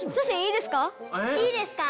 いいですか？